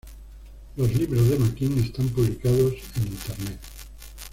Los libros de Makin están publicados en internet.